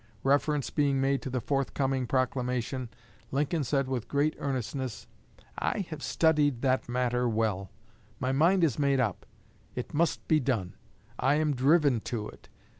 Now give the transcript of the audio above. Reference being made to the forthcoming proclamation, Lincoln said with great earnestness: "I have studied that matter well; my mind is made up it must be done. I am driven to it.